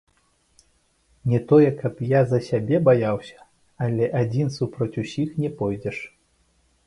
Не тое каб я за сябе баяўся, але адзін супраць усіх не пойдзеш.